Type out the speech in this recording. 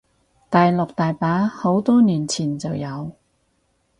大陸大把，好多年前就有